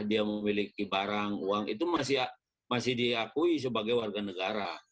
dia memiliki barang uang itu masih diakui sebagai warga negara